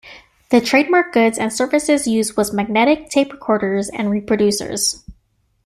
The trademark goods and Services use was Magnetic tape recorders and reproducers.